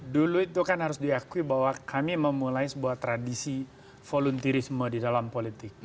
dulu itu kan harus diakui bahwa kami memulai sebuah tradisi volunteerisme di dalam politik